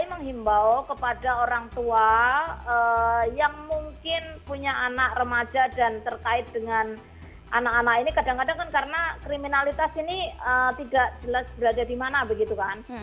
saya menghimbau kepada orang tua yang mungkin punya anak remaja dan terkait dengan anak anak ini kadang kadang kan karena kriminalitas ini tidak jelas berada di mana begitu kan